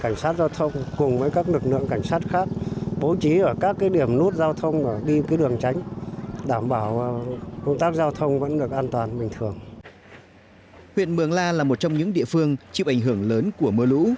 huyện mường la là một trong những địa phương chịu ảnh hưởng lớn của mưa lũ